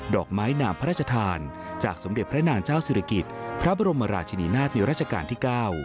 อกไม้นามพระราชทานจากสมเด็จพระนางเจ้าศิริกิจพระบรมราชนีนาฏในราชการที่๙